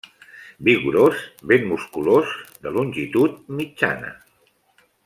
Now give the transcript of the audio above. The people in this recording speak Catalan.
Vigorós, ben musculós, de longitud mitjana.